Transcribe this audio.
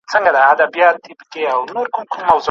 ټول ګونګي دي ورته ګوري ژبي نه لري په خولو کي